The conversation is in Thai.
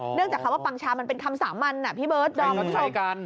เนื่องจากคำว่าปังชามันเป็นคำสามัญนะพี่เบิร์ตดองผู้ชม